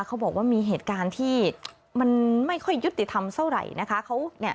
เขาบอกว่ามีเหตุการณ์ที่มันไม่ค่อยยุติธรรมเท่าไหร่นะคะ